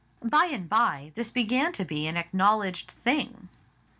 By and by this began to be an acknowledged thing.